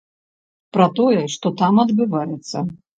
Пра тое, што там адбываецца.